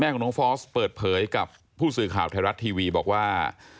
ของน้องฟอสเปิดเผยกับผู้สื่อข่าวไทยรัฐทีวีบอกว่า